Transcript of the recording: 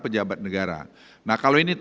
pejabat negara nah kalau ini